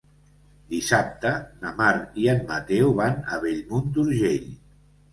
Dissabte na Mar i en Mateu van a Bellmunt d'Urgell.